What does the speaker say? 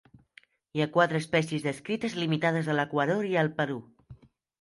Hi ha quatre espècies descrites limitades a l'Equador i el Perú.